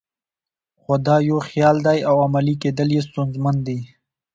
خو دا یو خیال دی او عملي کېدل یې ستونزمن دي.